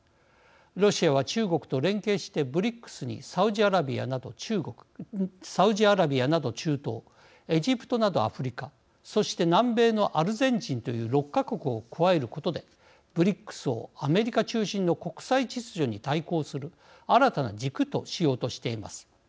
ロシアは中国と連携してＢＲＩＣＳにサウジアラビアなど中東、エジプトなどアフリカそして南米のアルゼンチンという６か国を加えることでＢＲＩＣＳをアメリカ中心の国際秩序に対抗する新たな軸としようとしています。